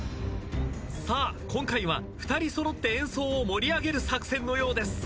さあ今回は２人揃って演奏を盛り上げる作戦のようです。